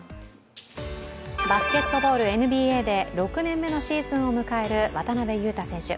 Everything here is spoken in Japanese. バスケットボールＮＢＡで６年目のシーズンを迎える渡邊雄太選手。